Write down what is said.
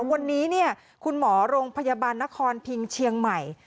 วันนี้คุณหมอโรงพยาบาลนครพิงเชียงใหม่